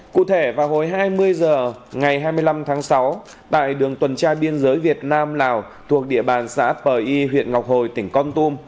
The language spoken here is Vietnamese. cụ thể vào hồi hai mươi h ngày hai mươi năm tháng sáu tại đường tuần tra biên giới việt nam lào thuộc địa bàn xã pờ y huyện ngọc hồi tỉnh con tum